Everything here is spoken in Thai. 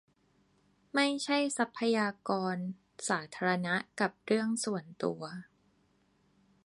- ไม่ใช้ทรัพยากรสาธารณะกับเรื่องส่วนตัว